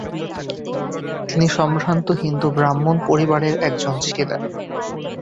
তিনি সম্ভ্রান্ত হিন্দু ব্রাহ্মণ পরিবারের একজন ছিলেন।